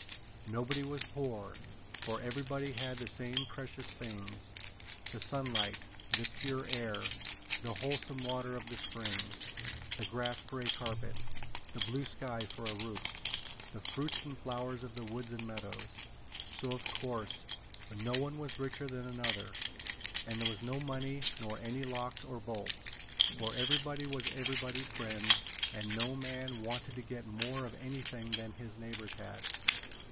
Nobody was poor, for everybody had the same precious things the sunlight, the pure air, the wholesome water of the springs, the grass for a carpet, the blue sky for a roof, the fruits and flowers of the woods and meadows. So, of course, no one was richer than another, and there was no money, nor any locks or bolts; for everybody was everybody's friend, and no man wanted to get more of anything than his neighbors had.